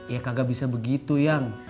ya kagak bisa begitu yang